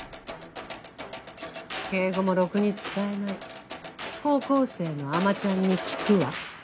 敬語もろくに使えない高校生のあまちゃんに聞くわ。